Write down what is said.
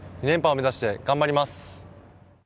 ２連覇を目指して頑張ります。